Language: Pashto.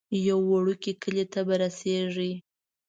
یو وړوکی کلی ته به رسیږئ.